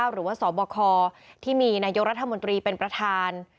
หรือว่าสบคที่มีนายกรัฐมนตรีเป็นประธาน